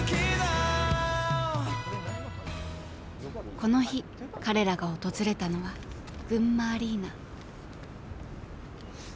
この日彼らが訪れたのはぐんまアリーナ。